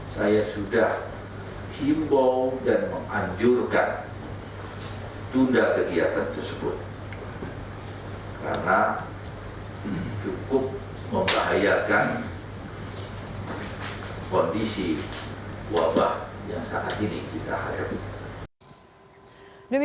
saya sudah himbaw dan menganjurkan tunda kegiatan tersebut